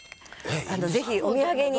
ぜひお土産に。